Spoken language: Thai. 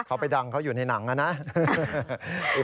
เขาไปดังเขาอยู่ในหนังนะ